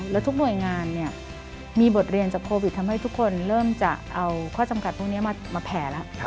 แล้วทุกหน่วยงานมีบทเรียนจากโควิดทำให้ทุกคนเริ่มจะเอาข้อจำกัดพวกนี้มาแผ่แล้ว